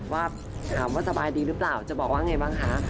ว่าถามว่าสบายดีหรือเปล่าจะบอกว่าไงบ้างคะ